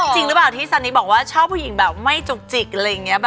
จริงหรือเปล่าที่ซอนนิบอกว่าชอบผู้หญิงแบบไม่จุกเลย